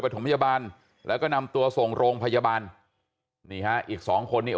ปฐมยบานแล้วก็นำตัวส่งโรงพยบานนี่ฮะอีก๒คนนี่